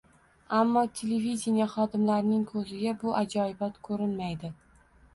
Ammo televideniye xodimlarining ko‘ziga bu ajoyibot ko‘rinmaydi.